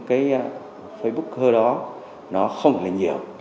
cái facebooker đó nó không là nhiều